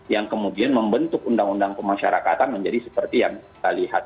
yang kemudian membentuk undang undang pemasyarakatan menjadi seperti yang kita lihat